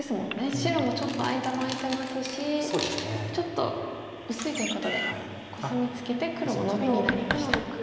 白もちょっと間も空いてますしちょっと薄いということでコスミツケて黒もノビになりました。